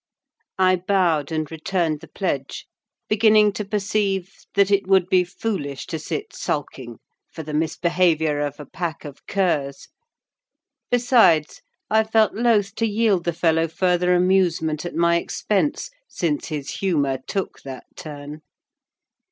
I bowed and returned the pledge; beginning to perceive that it would be foolish to sit sulking for the misbehaviour of a pack of curs; besides, I felt loth to yield the fellow further amusement at my expense; since his humour took that turn.